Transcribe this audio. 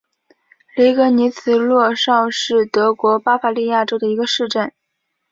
雷格尼茨洛绍是德国巴伐利亚州的一个市镇。